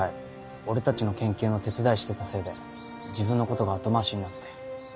俺たちの研究の手伝いしてたせいで自分のことが後回しになって。